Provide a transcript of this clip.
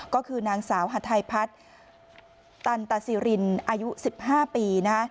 ก็คือนางสาวฮาไทยพัฒน์ตันตาซีรินอายุสิบห้าปีนะ